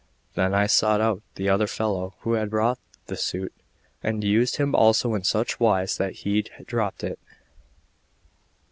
Then I sought out the other fellow who had brought the suit, and used him also in such wise that he dropped it.